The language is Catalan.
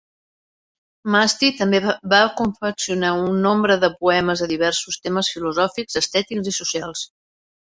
Maasti també va confeccionar un nombre de poemes de diversos temes filosòfics, estètics i socials.